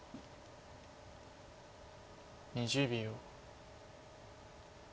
２０秒。